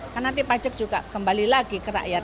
kan nanti pajak juga kembali lagi ke rakyat